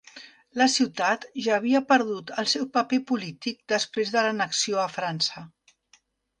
La ciutat ja havia perdut el seu paper polític després de l'annexió a França.